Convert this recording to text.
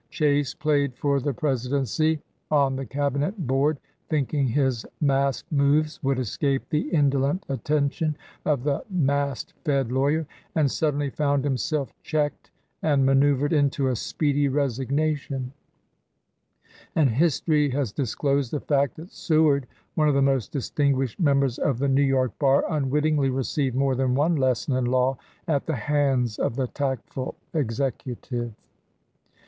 Chase played for the Presi dency on the Cabinet board, thinking his masked moves would escape the indolent attention of the "mast fed lawyer," and suddenly found himself checked and manoeuvered into a speedy resigna tion; and history has disclosed the fact that Seward, one of the most distinguished members of the New York bar, unwittingly received more than one lesson in law at the hands of the tactful Executive.